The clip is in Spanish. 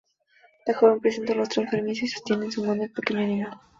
La joven presenta un rostro enfermizo y sostiene en sus mano al pequeño animal.